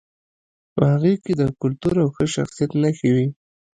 په هغې کې د کلتور او ښه شخصیت نښې وې